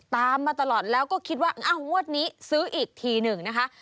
ตามมาตลอดแล้วก็คิดว่าอ้าวงวดนี้ซื้ออีกทีหนึ่งนะคะ